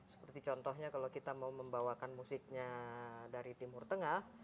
seperti contohnya kalau kita mau membawakan musiknya dari timur tengah